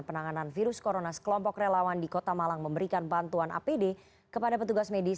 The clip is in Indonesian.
penanganan virus corona sekelompok relawan di kota malang memberikan bantuan apd kepada petugas medis